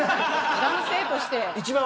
男性として。